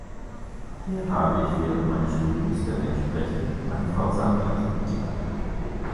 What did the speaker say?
Hier habe ich während meines Studiums der Menschenrechte meine Frau Sandra kennengelernt.